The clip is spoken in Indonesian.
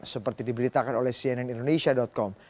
seperti diberitakan oleh cnn indonesia com